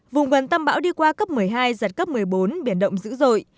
vùng gần tâm bão đi qua cấp một mươi hai giật cấp một mươi bốn biển động dữ dội